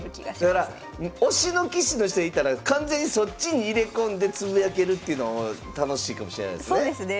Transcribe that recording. だから推しの棋士の人いたら完全にそっちに入れ込んでつぶやけるっていうのも楽しいかもしれないですね。